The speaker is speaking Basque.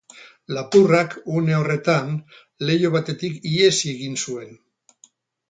Lapurrak, une horretan, leiho batetik ihesi egin zuten.